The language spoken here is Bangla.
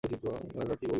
ডাক্তার কী বলেছে?